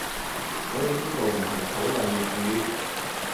所以呢度唔係討論粵語